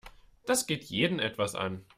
Das geht jeden etwas an.